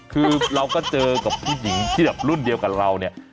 คือเราก็เจอกับผู้หญิงที่แบบรุ่นเดียวกับเราเนี่ย